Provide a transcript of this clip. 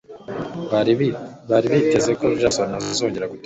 Bari biteze ko Jefferson azongera gutorwa